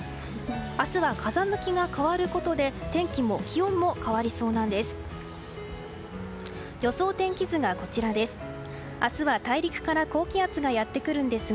明日は、風向きが変わることで天気も気温も変わりそうなんです。